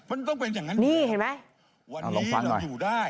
โอ้ยลองลองฟังหน่อย